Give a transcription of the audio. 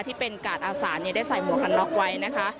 ที่เป็นกาดอาสานได้ใส่หมวกกันน็อกไว้นะคะ